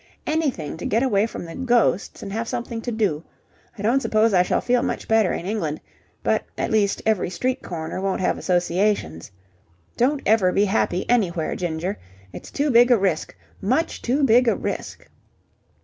Anything to get away from the ghosts and have something to do. I don't suppose I shall feel much better in England, but, at least, every street corner won't have associations. Don't ever be happy anywhere, Ginger. It's too big a risk, much too big a risk.